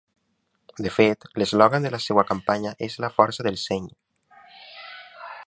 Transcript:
De fet, l’eslògan de la seva campanya és “la força del seny”.